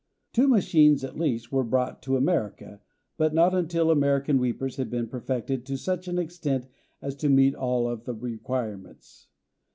Two machines, at least, were brought to America, but not until American reapers had been perfected to such an extent as to meet all of the requirements.